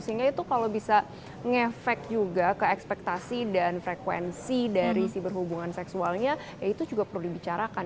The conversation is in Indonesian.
sehingga itu kalau bisa ngefek juga ke ekspektasi dan frekuensi dari si berhubungan seksualnya ya itu juga perlu dibicarakan